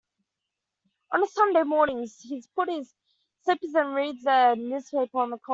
On Sunday mornings, he puts on his slippers and reads the newspaper on the cold patio.